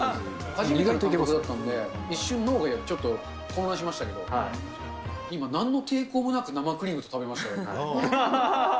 初めての感覚だったんで、一瞬、ちょっと混乱しましたけど、今、なんの抵抗もなく、生クリームと食べましたよ。